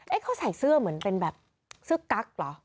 เขาใส่เสื้อเหมือนเป็นแบบเสื้อกั๊กเหรอ